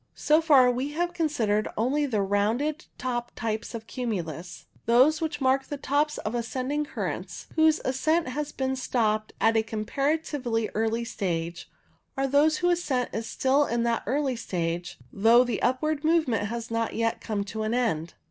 So far we have considered only the round topped types of cumulus — those which mark the tops of ascending currents whose ascent has been I04 CUMULUS stopped at a comparatively early stage, or those whose ascent is still in that early stage, though the upward movement has not yet come to an end.